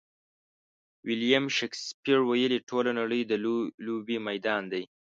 ویلیم شکسپیر ویلي: ټوله نړۍ د لوبې میدان دی.